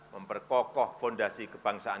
memperkokoh fondasi kebudayaan